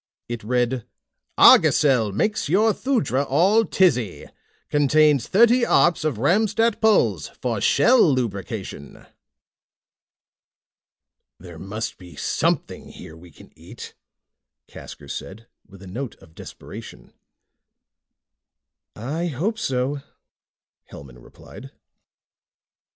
It read: ARGOSEL MAKES YOUR THUDRA ALL TIZZY. CONTAINS THIRTY ARPS OF RAMSTAT PULZ, FOR SHELL LUBRICATION. "There must be something here we can eat," Casker said with a note of desperation. "I hope so," Hellman replied.